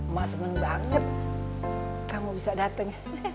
ma seneng banget kamu bisa dateng